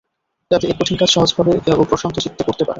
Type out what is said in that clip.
যাতে এ কঠিন কাজ সহজভাবে ও প্রশান্ত চিত্তে করতে পারেন।